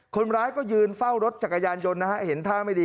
คนร้ายก็ยืนเฝ้ารถจักรยานยนต์นะฮะเห็นท่าไม่ดี